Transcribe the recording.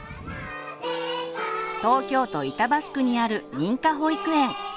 東京都板橋区にある認可保育園。